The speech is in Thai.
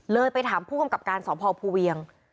ไปถามผู้กำกับการสพภูเวียง